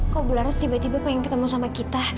kok bularas tiba tiba pengen ketemu sama kita